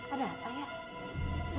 ada apa ayah